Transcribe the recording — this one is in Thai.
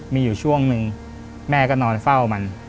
มีอยู่ช่วงหนึ่งแม่ก็นอนเฝ้ามัน